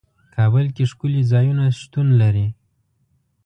کابل کې ښکلي ځايونه شتون لري.